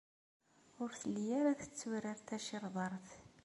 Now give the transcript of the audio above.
Ur telli ara tetturar tacirḍart.